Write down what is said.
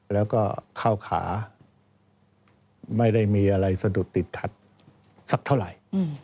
แล้วก็เข้าขาไม่ได้มีอะไรสะดุดติดขัดสักเท่าไหร่